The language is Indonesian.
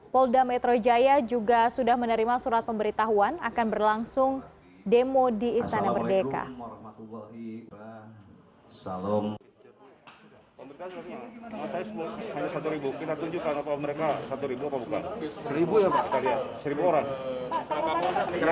polda metro jaya juga sudah menerima surat pemberitahuan akan berlangsung demo di istana merdeka